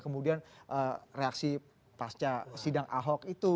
kemudian reaksi pasca sidang ahok itu